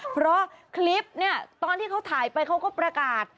เพราะคลิปเนี่ยตอนที่เขาถ่ายไปเขาก็ประกาศ